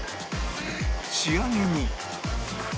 仕上げに